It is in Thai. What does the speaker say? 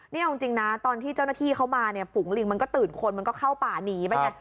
นี่เอาจริงนะตอนที่เจ้าหน้าที่เขามาเนี่ยฝูงลิงมันก็ตื่นคนมันก็เข้าป่าหนีไปไง